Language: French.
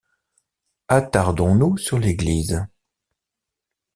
Attardons-nous sur l'église.